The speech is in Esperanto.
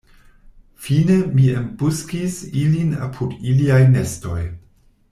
Fine, mi embuskis ilin apud iliaj nestoj.